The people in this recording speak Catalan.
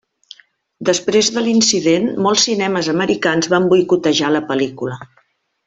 Després de l'incident molts cinemes americans van boicotejar la pel·lícula.